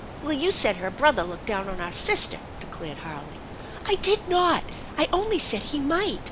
"Well, you said her brother looked down on our sister," declared Harley. "I did not! I only said he might!